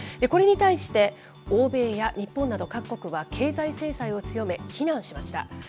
これに対して、欧米や日本など、各国は経済制裁を強め、非難しました。